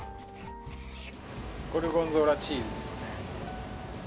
ゴルゴンゾーラチーズですね。